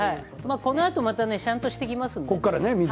このあとしゃんとしてきますから。